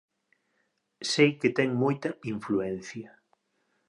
Sei que ten moita influencia.